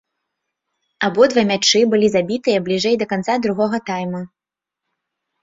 Абодва мячы былі забітыя бліжэй да канца другога тайма.